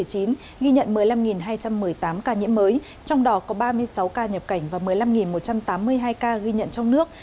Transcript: ghi nhận một mươi năm hai trăm một mươi tám ca nhiễm mới trong đó có ba mươi sáu ca nhập cảnh và một mươi năm một trăm tám mươi hai ca ghi nhận trong nước